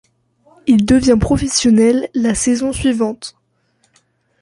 Il devint professionnel la saison suivante.